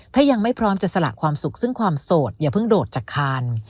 ถ้ายังไม่พร้อมจะสละความสุขซึ่งความโสดอย่าเพิ่งโดดจากคาน